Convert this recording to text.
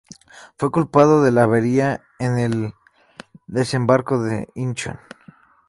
Fue culpado de la avería en el Desembarco de Inchon.